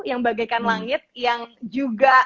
yang bagaikan langit yang juga